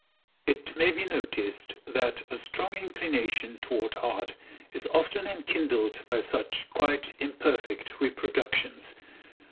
It may be noticed that a strong inclination toward art is often enkindled by such quite imperfect reproductions.